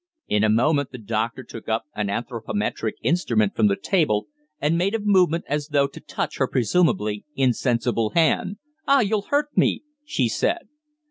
In a moment the doctor took up an anthropometric instrument from the table, and made a movement as though to touch her presumably insensible hand. "Ah, you'll hurt me!" she said.